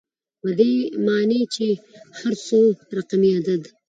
په دې معني چي هر څو رقمي عدد